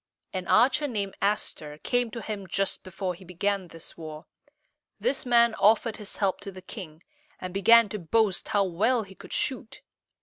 An archer named As´ter came to him just before he began this war. This man offered his help to the king, and began to boast how well he could shoot.